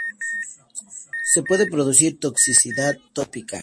Se puede producir toxicidad tópica.